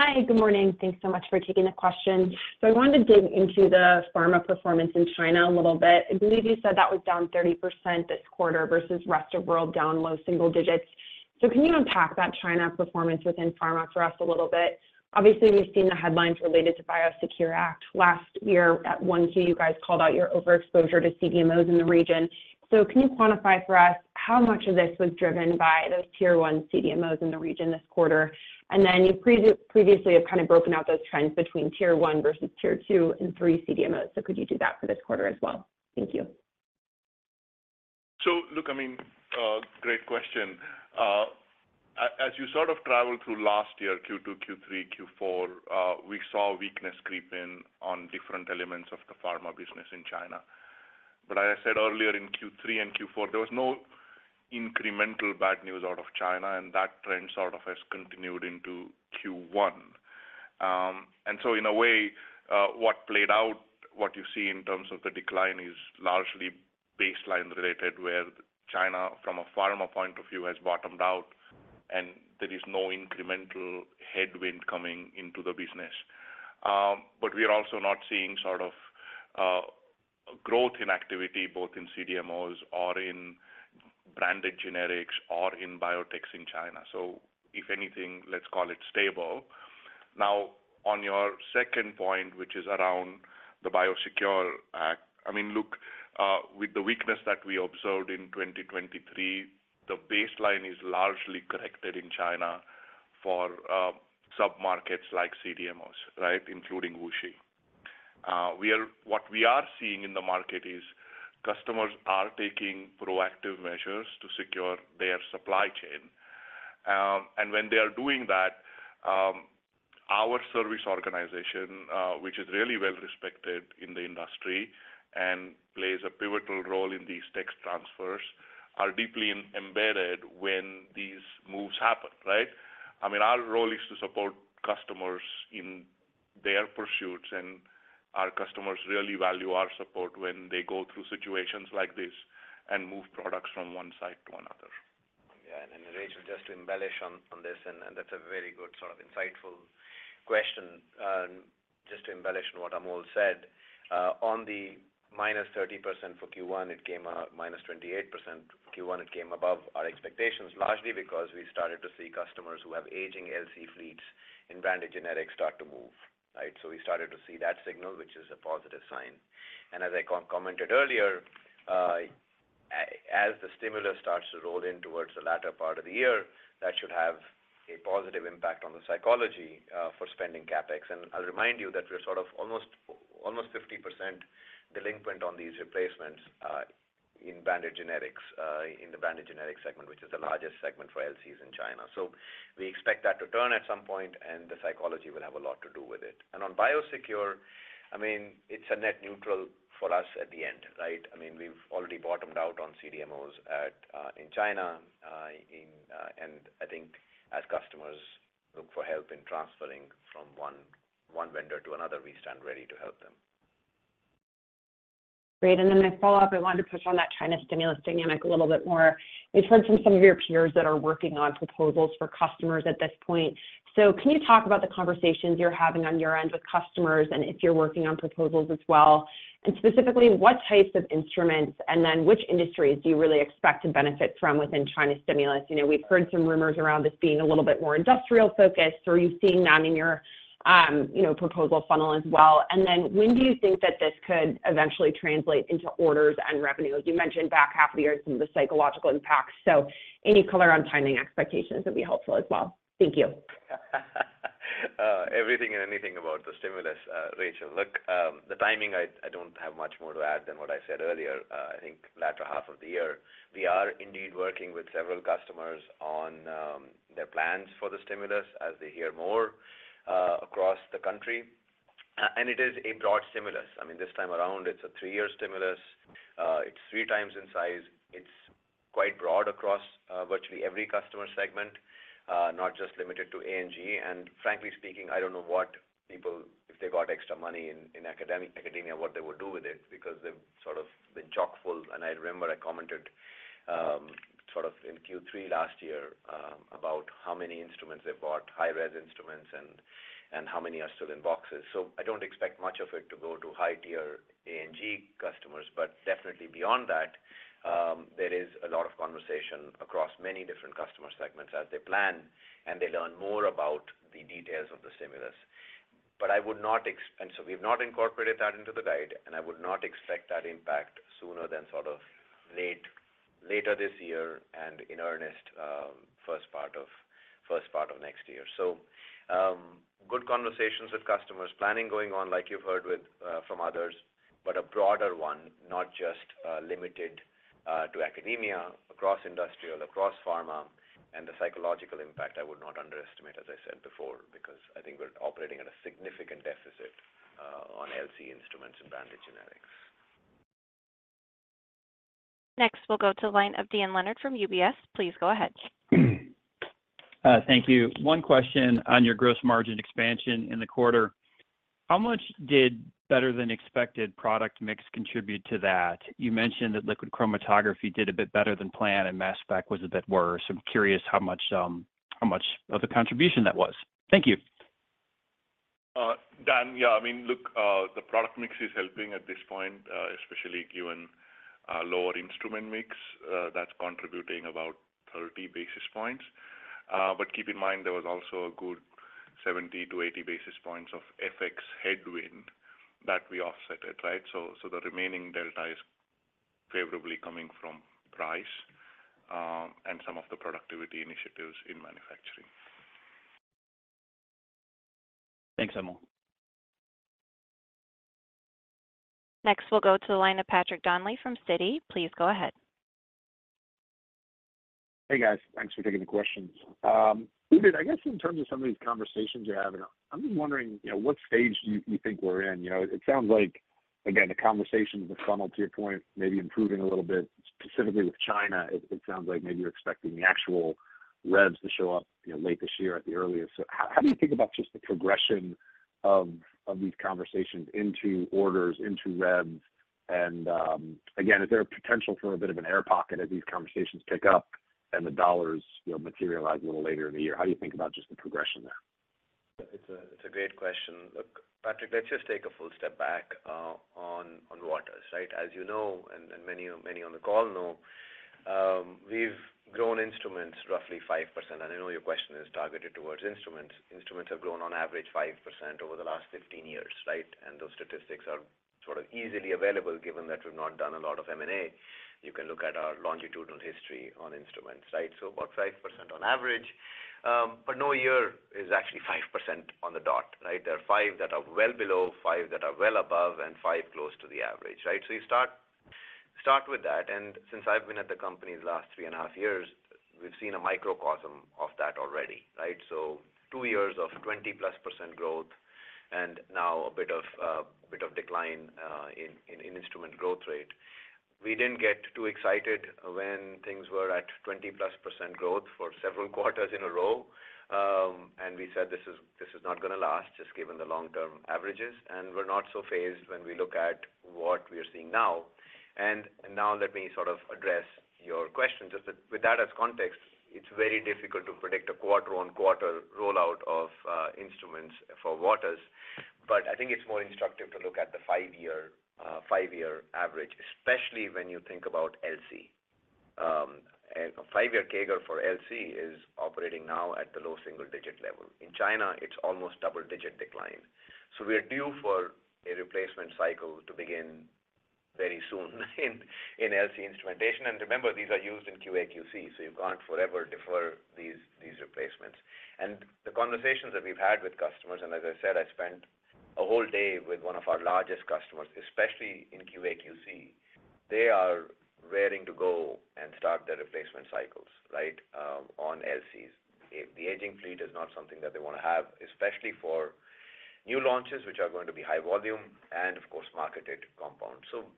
Hi, good morning. Thanks so much for taking the question. So I wanted to dig into the pharma performance in China a little bit. I believe you said that was down 30% this quarter versus rest of world, down low single digits. So can you unpack that China performance within pharma for us a little bit? Obviously, we've seen the headlines related to BioSecure Act. Last year, at 1Q, you guys called out your overexposure to CDMOs in the region. So can you quantify for us how much of this was driven by those Tier 1 CDMOs in the region this quarter? And then you previously have kind of broken out those trends between Tier 1 versus Tier 2 and 3 CDMOs. So could you do that for this quarter as well? Thank you. So look, I mean, great question. As you sort of travel through last year, Q2, Q3, Q4, we saw weakness creep in on different elements of the pharma business in China. But as I said earlier, in Q3 and Q4, there was no incremental bad news out of China, and that trend sort of has continued into Q1. And so in a way, what played out, what you see in terms of the decline is largely baseline related, where China, from a pharma point of view, has bottomed out, and there is no incremental headwind coming into the business. But we are also not seeing sort of growth in activity, both in CDMOs or in branded generics or in biotechs in China. So if anything, let's call it stable. Now, on your second point, which is around the BioSecure Act, I mean, look, with the weakness that we observed in 2023, the baseline is largely corrected in China for submarkets like CDMOs, right? Including WuXi. What we are seeing in the market is customers are taking proactive measures to secure their supply chain. And when they are doing that, our service organization, which is really well respected in the industry and plays a pivotal role in these tech transfers, are deeply embedded when these moves happen, right? I mean, our role is to support customers in their pursuits, and our customers really value our support when they go through situations like this and move products from one site to another. Yeah, and then Rachel, just to embellish on this, and that's a very good, sort of insightful question. Just to embellish on what Amol said, on the -30% for Q1, it came out -28%. Q1, it came above our expectations, largely because we started to see customers who have aging LC fleets in branded generics start to move, right? So we started to see that signal, which is a positive sign. And as I commented earlier, as the stimulus starts to roll in towards the latter part of the year, that should have a positive impact on the psychology for spending CapEx. And I'll remind you that we're sort of almost 50% delinquent on these replacements in branded generics, in the branded generics segment, which is the largest segment for LCs in China. We expect that to turn at some point, and the psychology will have a lot to do with it. On BioSecure, I mean, it's a net neutral for us at the end, right? I mean, we've already bottomed out on CDMOs at in China. I think as customers look for help in transferring from one vendor to another, we stand ready to help them. Great. And then my follow-up, I wanted to push on that China stimulus dynamic a little bit more. We've heard from some of your peers that are working on proposals for customers at this point. So can you talk about the conversations you're having on your end with customers and if you're working on proposals as well? And specifically, what types of instruments and then which industries do you really expect to benefit from within China's stimulus? You know, we've heard some rumors around this being a little bit more industrial-focused. So are you seeing that in your, you know, proposal funnel as well? And then when do you think that this could eventually translate into orders and revenue? You mentioned back half of the year, some of the psychological impacts, so any color on timing expectations would be helpful as well. Thank you.... everything and anything about the stimulus, Rachel. Look, the timing, I don't have much more to add than what I said earlier. I think latter half of the year, we are indeed working with several customers on their plans for the stimulus as they hear more across the country. And it is a broad stimulus. I mean, this time around, it's a three-year stimulus. It's three times in size. It's quite broad across virtually every customer segment, not just limited to A&G. And frankly speaking, I don't know what people, if they got extra money in academia, what they would do with it, because they've sort of been chock full. I remember I commented, sort of in Q3 last year, about how many instruments they bought, high-res instruments and how many are still in boxes. So I don't expect much of it to go to high-end R&D customers, but definitely beyond that, there is a lot of conversation across many different customer segments as they plan, and they learn more about the details of the stimulus. But I would not, and so we've not incorporated that into the guide, and I would not expect that impact sooner than sort of later this year and in earnest, first part of next year. So, good conversations with customers, planning going on, like you've heard with... from others, but a broader one, not just limited to academia, across industry, across pharma, and the psychological impact, I would not underestimate, as I said before, because I think we're operating at a significant deficit on LC instruments and branded generics. Next, we'll go to the line of Dan Leonard from UBS. Please go ahead. Thank you. One question on your gross margin expansion in the quarter. How much did better-than-expected product mix contribute to that? You mentioned that liquid chromatography did a bit better than planned, and mass spec was a bit worse. I'm curious how much of the contribution that was. Thank you. Dan, yeah. I mean, look, the product mix is helping at this point, especially given a lower instrument mix, that's contributing about 30 basis points. But keep in mind, there was also a good 70-80 basis points of FX headwind that we offset it, right? So, the remaining delta is favorably coming from price, and some of the productivity initiatives in manufacturing. Thanks, Amol. Next, we'll go to the line of Patrick Donnelly from Citi. Please go ahead. Hey, guys. Thanks for taking the questions. Udit, I guess in terms of some of these conversations you're having, I'm just wondering, you know, what stage do you think we're in? You know, it sounds like, again, the conversations have funneled to your point, maybe improving a little bit, specifically with China, it sounds like maybe you're expecting the actual revs to show up, you know, late this year at the earliest. So how do you think about just the progression of these conversations into orders, into revs? And again, is there a potential for a bit of an air pocket as these conversations pick up and the dollars, you know, materialize a little later in the year? How do you think about just the progression there? It's a great question. Look, Patrick, let's just take a full step back on Waters, right? As you know, and many on the call know, we've grown instruments roughly 5%, and I know your question is targeted towards instruments. Instruments have grown on average 5% over the last 15 years, right? And those statistics are sort of easily available, given that we've not done a lot of M&A. You can look at our longitudinal history on instruments, right? So about 5% on average, but no year is actually 5% on the dot, right? There are five that are well below, five that are well above, and five close to the average, right? So you start with that, and since I've been at the company the last three and a half years, we've seen a microcosm of that already, right? So two years of 20%+ growth and now a bit of decline in instrument growth rate. We didn't get too excited when things were at 20%+ growth for several quarters in a row, and we said, "This is not going to last, just given the long-term averages." And we're not so fazed when we look at what we are seeing now. And now let me sort of address your question, just that with that as context, it's very difficult to predict a quarter-on-quarter rollout of instruments for Waters. But I think it's more instructive to look at the five-year average, especially when you think about LC. A five-year CAGR for LC is operating now at the low single-digit level. In China, it's almost double-digit decline. So we are due for a replacement cycle to begin very soon, in LC instrumentation. And remember, these are used in QA, QC, so you can't forever defer these replacements. And the conversations that we've had with customers, and as I said, I spent a whole day with one of our largest customers, especially in QA, QC, they are raring to go and start their replacement cycles, right, on LCs. The aging fleet is not something that they want to have, especially for new launches, which are going to be high volume and of course, marketed compounds. So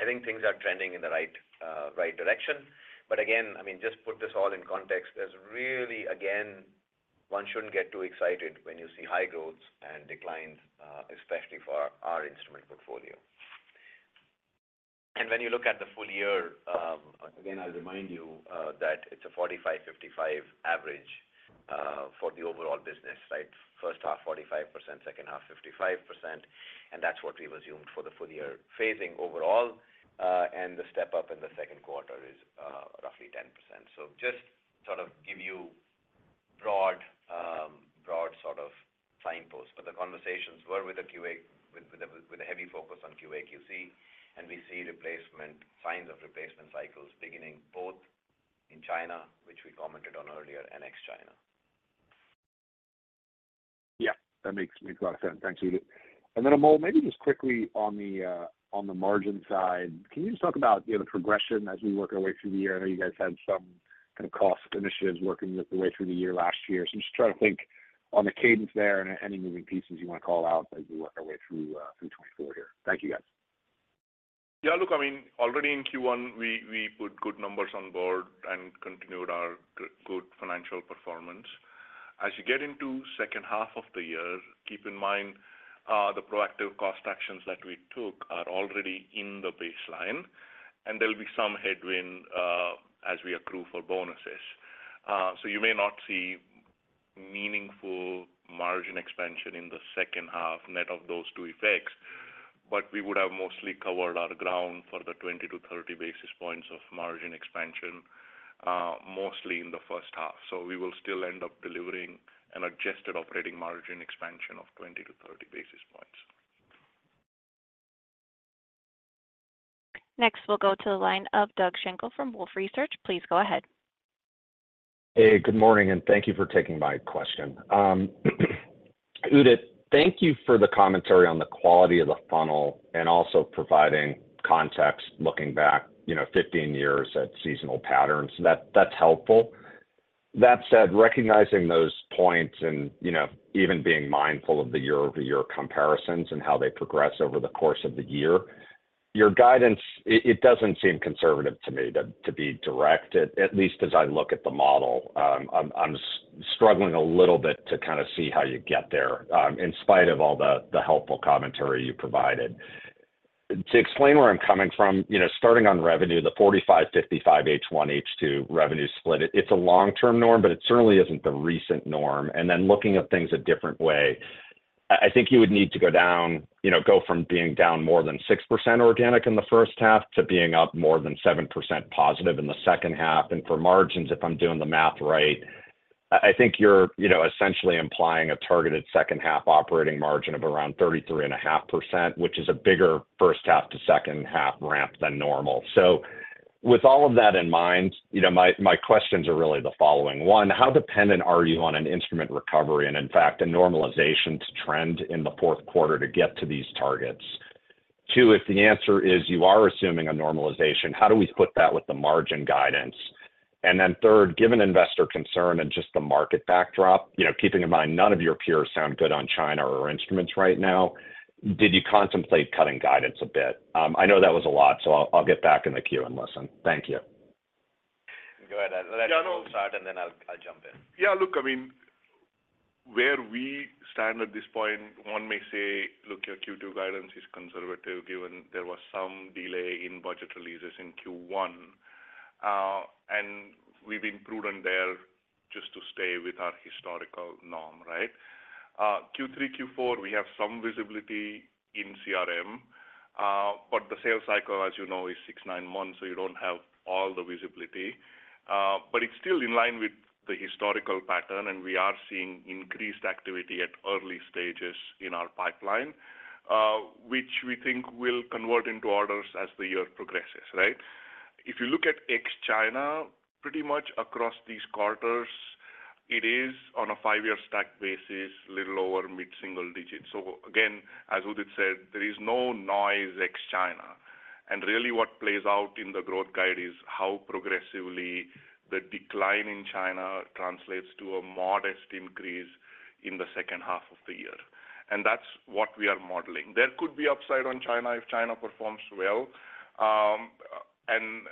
I think things are trending in the right direction. But again, I mean, just put this all in context, there's really, again, one shouldn't get too excited when you see high growths and declines, especially for our instrument portfolio. And when you look at the full-year, again, I'll remind you, that it's a 45%, 55% average, for the overall business, right? First half, 45%, second half, 55%, and that's what we presumed for the full-year phasing overall, and the step up in the second quarter is, roughly 10%. So just sort of give you broad, broad sort of signpost, but the conversations were with the QA, with the heavy focus on QA/QC, and we see replacement, signs of replacement cycles beginning both in China, which we commented on earlier, and ex-China. Yeah, that makes a lot of sense. Thanks, Udit. And then, Amol, maybe just quickly on the margin side, can you just talk about, you know, the progression as we work our way through the year? I know you guys had some kind of cost initiatives working with the way through the year, last year. So I'm just trying to think on the cadence there and any moving pieces you want to call out as we work our way through 2024 here. Thank you, guys. Yeah, look, I mean, already in Q1, we put good numbers on board and continued our good financial performance. As you get into second half of the year, keep in mind, the proactive cost actions that we took are already in the baseline, and there'll be some headwind, as we accrue for bonuses. So you may not see meaningful margin expansion in the second half, net of those two effects, but we would have mostly covered our ground for the 20-30 basis points of margin expansion, mostly in the first half. So we will still end up delivering an adjusted operating margin expansion of 20-30 basis points. Next, we'll go to the line of Doug Schenkel from Wolfe Research. Please go ahead. Hey, good morning, and thank you for taking my question. Udit, thank you for the commentary on the quality of the funnel and also providing context, looking back, you know, 15 years at seasonal patterns. That, that's helpful. That said, recognizing those points and, you know, even being mindful of the year-over-year comparisons and how they progress over the course of the year, your guidance, it doesn't seem conservative to me to be direct. At least as I look at the model, I'm struggling a little bit to kinda see how you get there, in spite of all the helpful commentary you provided. To explain where I'm coming from, you know, starting on revenue, the 45/55 H1, H2 revenue split, it's a long-term norm, but it certainly isn't the recent norm. And then looking at things a different way, I, I think you would need to go down, you know, go from being down more than 6% organic in the first half to being up more than 7% positive in the second half. And for margins, if I'm doing the math right, I, I think you're, you know, essentially implying a targeted second half operating margin of around 33.5%, which is a bigger first half to second half ramp than normal. So with all of that in mind, you know, my, my questions are really the following: One, how dependent are you on an instrument recovery and in fact, a normalization to trend in the fourth quarter to get to these targets? Two, if the answer is you are assuming a normalization, how do we put that with the margin guidance? And then third, given investor concern and just the market backdrop, you know, keeping in mind, none of your peers sound good on China or instruments right now, did you contemplate cutting guidance a bit? I know that was a lot, so I'll get back in the queue and listen. Thank you. Go ahead. Let Amol start, and then I'll, I'll jump in. Yeah, look, I mean, where we stand at this point, one may say, look, your Q2 guidance is conservative, given there was some delay in budget releases in Q1. We've been prudent there just to stay with our historical norm, right? Q3, Q4, we have some visibility in CRM, but the sales cycle, as you know, is six, nine months, so you don't have all the visibility. But it's still in line with the historical pattern, and we are seeing increased activity at early stages in our pipeline, which we think will convert into orders as the year progresses, right? If you look at ex-China, pretty much across these quarters, it is on a five-year stack basis, little lower, mid-single digits. So again, as Udit said, there is no noise ex-China. Really, what plays out in the growth guide is how progressively the decline in China translates to a modest increase in the second half of the year, and that's what we are modeling. There could be upside on China if China performs well. And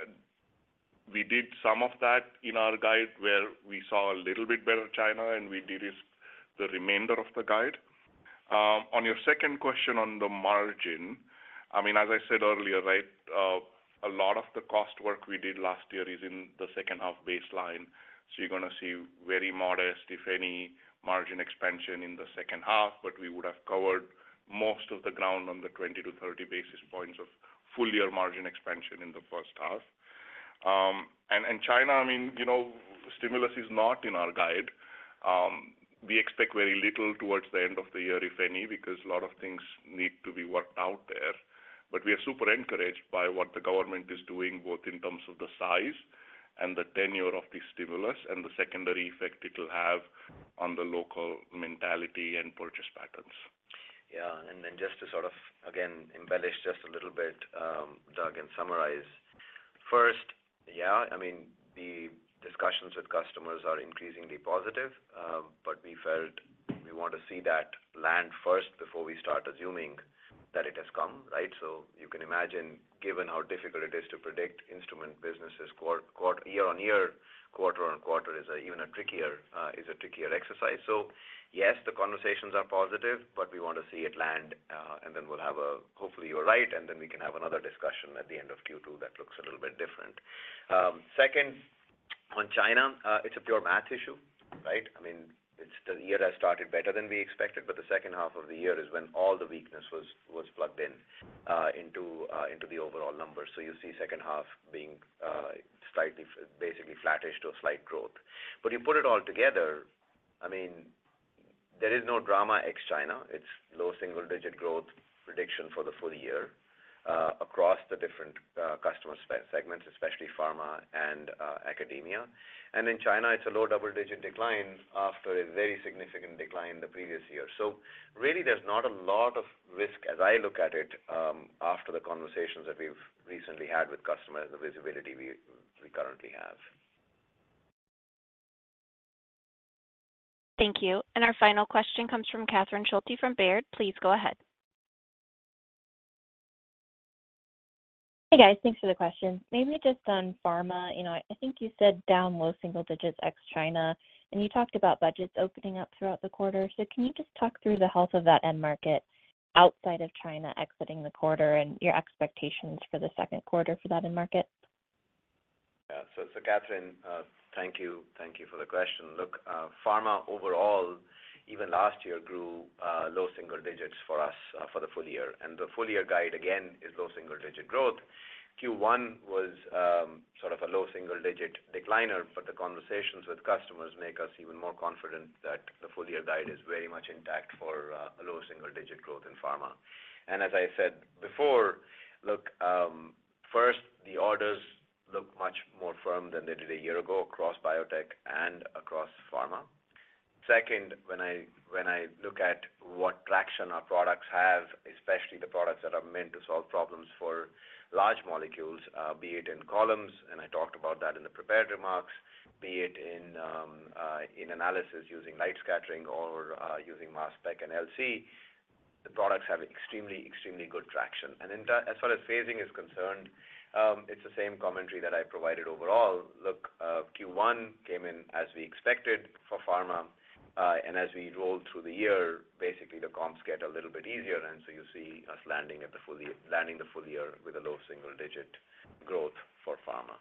we did some of that in our guide, where we saw a little bit better China, and we de-risked the remainder of the guide. On your second question on the margin, I mean, as I said earlier, right, a lot of the cost work we did last year is in the second half baseline, so you're gonna see very modest, if any, margin expansion in the second half, but we would have covered most of the ground on the 20-30 basis points of full-year margin expansion in the first half. China, I mean, you know, stimulus is not in our guide. We expect very little towards the end of the year, if any, because a lot of things need to be worked out there. But we are super encouraged by what the government is doing, both in terms of the size and the tenure of the stimulus and the secondary effect it'll have on the local mentality and purchase patterns. Yeah, and then just to sort of, again, embellish just a little bit, Doug, and summarize. First, yeah, I mean, the discussions with customers are increasingly positive, but we felt we want to see that land first before we start assuming that it has come, right? So you can imagine, given how difficult it is to predict instrument businesses year-over-year, quarter-over-quarter is even a trickier exercise. So yes, the conversations are positive, but we want to see it land, and then we'll have a, hopefully, you're right, and then we can have another discussion at the end of Q2 that looks a little bit different. Second, on China, it's a pure math issue, right? I mean, it's the year has started better than we expected, but the second half of the year is when all the weakness was plugged in into the overall numbers. So you see second half being slightly basically flattish to a slight growth. But you put it all together, I mean. There is no drama ex-China. It's low single-digit growth prediction for the full-year across the different customer segments, especially pharma and academia. And in China, it's a low double-digit decline after a very significant decline the previous year. So really, there's not a lot of risk as I look at it after the conversations that we've recently had with customers, the visibility we currently have. Thank you. Our final question comes from Catherine Schulte from Baird. Please go ahead. Hey, guys. Thanks for the question. Maybe just on pharma, you know, I think you said down low single digits ex-China, and you talked about budgets opening up throughout the quarter. So can you just talk through the health of that end market outside of China exiting the quarter and your expectations for the second quarter for that end market? Yeah. So, so Catherine, thank you. Thank you for the question. Look, pharma overall, even last year, grew, low single digits for us, for the full-year. And the full-year guide, again, is low single-digit growth. Q1 was, sort of a low single-digit decliner, but the conversations with customers make us even more confident that the full-year guide is very much intact for, a low single-digit growth in pharma. And as I said before, look, first, the orders look much more firm than they did a year ago across biotech and across pharma. Second, when I look at what traction our products have, especially the products that are meant to solve problems for large molecules, be it in columns, and I talked about that in the prepared remarks, be it in analysis using light scattering or using mass spec and LC, the products have extremely, extremely good traction. And in that, as far as phasing is concerned, it's the same commentary that I provided overall. Look, Q1 came in as we expected for pharma, and as we roll through the year, basically the comps get a little bit easier, and so you see us landing the full-year with a low single-digit growth for pharma.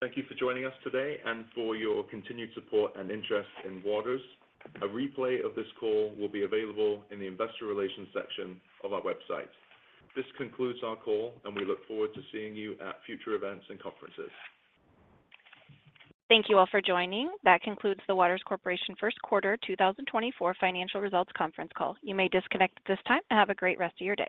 Thank you for joining us today and for your continued support and interest in Waters. A replay of this call will be available in the Investor Relations section of our website. This concludes our call, and we look forward to seeing you at future events and conferences. Thank you all for joining. That concludes the Waters Corporation first quarter 2024 financial results conference call. You may disconnect at this time, and have a great rest of your day.